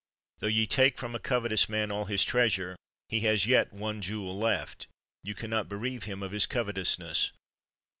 Tho ye take from a covetous man all his treas ure, he has yet one jewel left; ye can not be reave him of his covetousness.